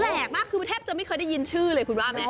แปลกมากคือแทบจะไม่เคยได้ยินชื่อเลยคุณว่าไหม